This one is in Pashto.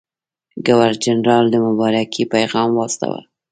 ګورنرجنرال د مبارکۍ پیغام واستاوه.